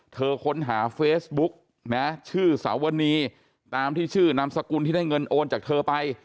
ค้นหาเฟซบุ๊กนะชื่อสาวนีตามที่ชื่อนามสกุลที่ได้เงินโอนจากเธอไป